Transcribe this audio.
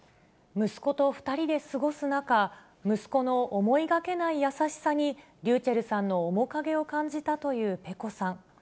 息子と２人で過ごす中、息子の思いがけない優しさに、ｒｙｕｃｈｅｌｌさんの面影を感じたというｐｅｃｏさん。